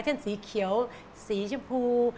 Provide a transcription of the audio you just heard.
สีเขียวสีชมพู